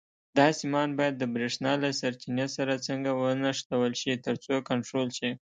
دا سیمان باید د برېښنا له سرچینې سره څنګه ونښلول شي ترڅو کنټرول شي.